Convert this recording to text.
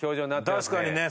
確かにね。